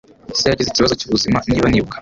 Se yagize ikibazo cyubuzima, niba nibuka.